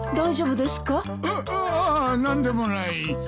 あっああ何でもない。